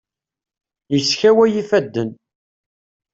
Yeskaway ifaden.